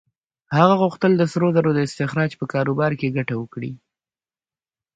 هغه غوښتل د سرو زرو د استخراج په کاروبار کې ګټه وکړي.